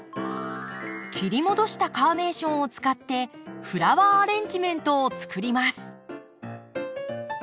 切り戻したカーネーションを使ってフラワーアレンジメントをつくります。